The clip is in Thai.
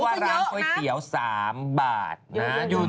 สนุนโดยดีที่สุดคือการให้ไม่สิ้นสุด